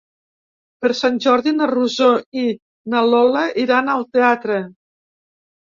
Per Sant Jordi na Rosó i na Lola iran al teatre.